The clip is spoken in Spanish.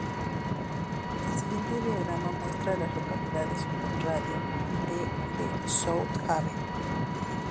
El siguiente diagrama muestra a las localidades en un radio de de South Haven.